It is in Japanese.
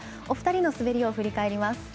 お二人の滑りを振り返ります。